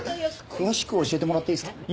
詳しく教えてもらっていいですか？